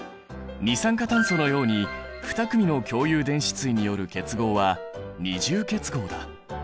二酸化炭素のように２組の共有電子対による結合は二重結合だ。